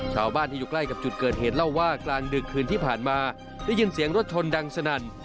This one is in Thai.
ชาวบ้านที่อยู่ใกล้กับจุดเกิดเหตุเล่าว่ากลางดึกคืนที่ผ่านมาได้ยินเสียงรถชนดังสนั่น